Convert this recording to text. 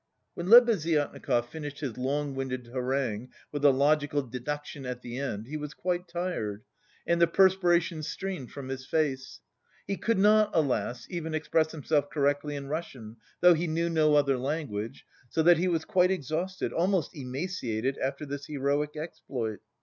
When Lebeziatnikov finished his long winded harangue with the logical deduction at the end, he was quite tired, and the perspiration streamed from his face. He could not, alas, even express himself correctly in Russian, though he knew no other language, so that he was quite exhausted, almost emaciated after this heroic exploit.